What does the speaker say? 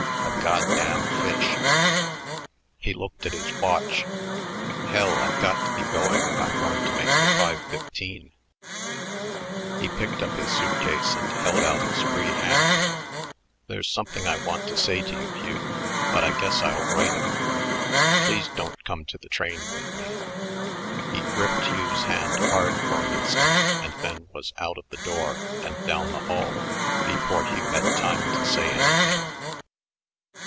"A goddamn fish." He looked at his watch. "Hell, I've got to be going if I'm going to make the five fifteen," He picked up his suit case and held out his free hand. "There's something I want to say to you, Hugh, but I guess I'll write it. Please don't come to the train with me." He gripped Hugh's hand hard for an instant and then was out of the door and down the hall before Hugh had time to say anything.